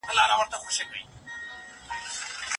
مګر زما ریښې دي ټینګي پر دې مځکه غځېدلي